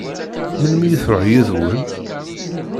Melmi i tṛuḥ yid-wen?